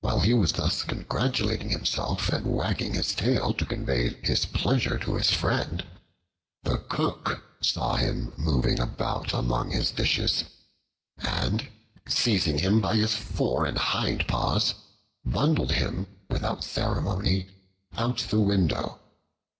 While he was congratulating himself and wagging his tail to convey his pleasure to his friend, the Cook saw him moving about among his dishes and, seizing him by his fore and hind paws, bundled him without ceremony out of the window.